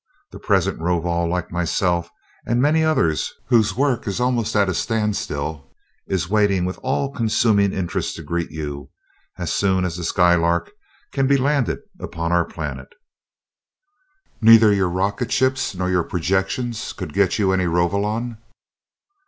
The present Rovol, like myself and many others whose work is almost at a standstill, is waiting with all consuming interest to greet you, as soon as the Skylark can be landed upon our planet." "Neither your rocket ships nor your projections could get you any Rovolon?"